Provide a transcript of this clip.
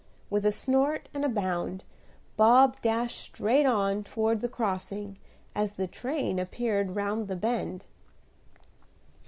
With a snort and a bound Bob dashed straight on toward the crossing, as the train appeared round the bend.